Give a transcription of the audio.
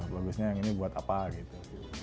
bagusnya yang ini buat apa gitu